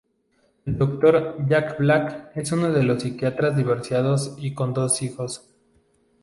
El Doctor Jack Black es un psiquiatra divorciado y con dos hijos.